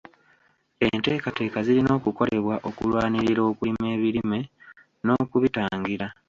Enteekateeka zirina okukolebwa okulwanirira okulima ebirime n'okubitangira.